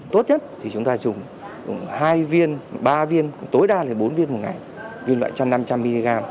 tốt nhất thì chúng ta chủng hai viên ba viên tối đa là bốn viên một ngày viêm loại chăn năm trăm linh mg